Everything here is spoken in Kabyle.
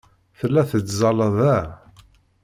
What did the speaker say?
Tella tettẓalla da.